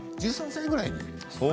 １３歳ぐらい。